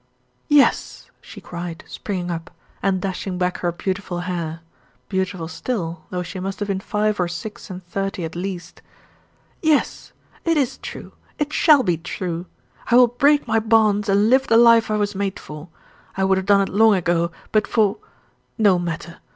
"Yes," she cried, springing up, and dashing back her beautiful hair beautiful still, though she must have been five or six and thirty at least "Yes, it is true it shall be true. I will break my bonds and live the life I was made for. I would have done it long ago, but for no matter.